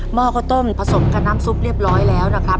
ห้อข้าวต้มผสมกับน้ำซุปเรียบร้อยแล้วนะครับ